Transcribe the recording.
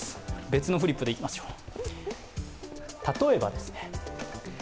別のフリップでいきましょう。